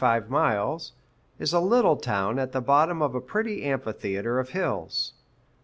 (375 miles), is a little town at the bottom of a pretty amphitheatre of hills.